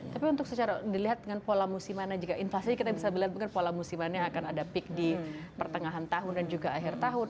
tapi untuk secara dilihat dengan pola musimannya jika inflasi kita bisa bilang mungkin pola musimannya akan ada peak di pertengahan tahun dan juga akhir tahun